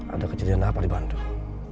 ada kejadian apa di bandung